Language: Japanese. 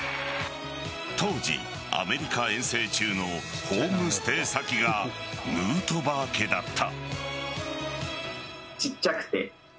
当時、アメリカ遠征中のホームステイ先がヌートバー家だった。